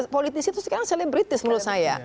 politisi itu sekarang selebritis menurut saya